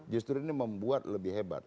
justru ini membuat lebih hebat